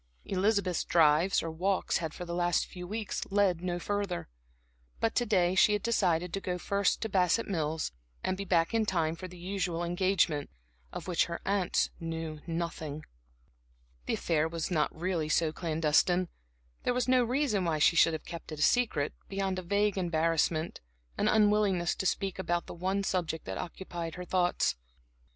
Elizabeth's drives, or walks had for the last few weeks led no further. But to day she had decided to go first to Bassett Mills, and be back in time for the usual engagement, of which her aunts knew nothing. The affair was not really so clandestine. There was no reason why she should have kept it secret beyond a vague embarrassment, an unwillingness to speak about the one subject that occupied her thoughts.